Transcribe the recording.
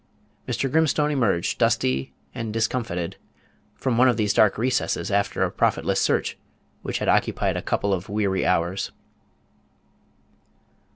Mr. Grimstone emerged, dirty and discomfited, from one of these dark recesses after a profitless search which had occupied a couple of weary hours.